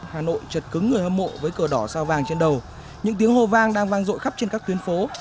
hà nội chật cứng người hâm mộ với cờ đỏ sao vàng trên đầu những tiếng hô vang đang vang rội khắp trên các tuyến phố